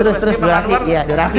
terus terus durasi ya durasi